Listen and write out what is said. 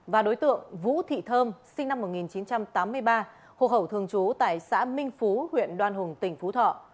và đối tượng vũ thị thơm sinh năm một nghìn chín trăm tám mươi ba hộ khẩu thường trú tại xã minh phú huyện đoan hùng tỉnh phú thọ